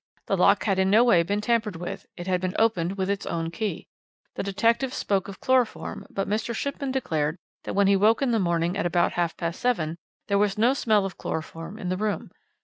The lock had in no way been tampered with it had been opened with its own key. The detective spoke of chloroform, but Mr. Shipman declared that when he woke in the morning at about half past seven there was no smell of chloroform in the room.